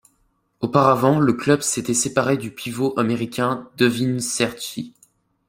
Auparavant, le club s'était séparé du pivot américain Devin Searcy.